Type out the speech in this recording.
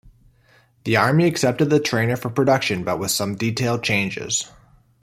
The Army accepted the trainer for production but with some detail changes.